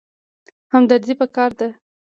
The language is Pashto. همدردي پکار ده